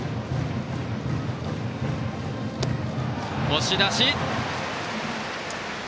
押し出し！